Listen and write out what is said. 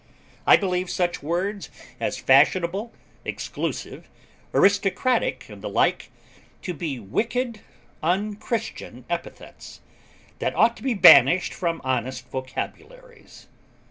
I believe such words as Fashionable, Exclusive, Aristocratic, and the like, to be wicked, unchristian epithets, that ought to be banished from honest vocabularies.